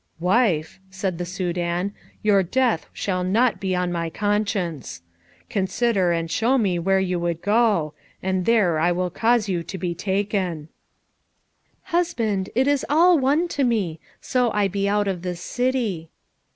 "Wife," said the Soudan, "your death shall not be on my conscience. Consider and show me where you would go, and there I will cause you to be taken." "Husband, it is all one to me, so I be out of this city."